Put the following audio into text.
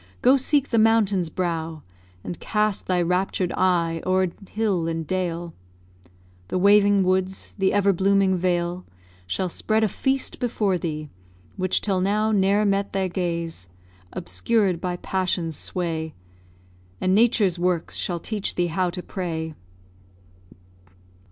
go seek the mountain's brow, And cast thy raptured eye o'er hill and dale; The waving woods, the ever blooming vale, Shall spread a feast before thee, which till now Ne'er met thy gaze obscured by passion's sway; And Nature's works shall teach thee how to pray.